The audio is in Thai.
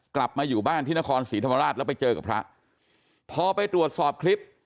กลับมาอยู่บ้านที่นครศรีธรรมราชแล้วไปเจอกับพระพอไปตรวจสอบคลิป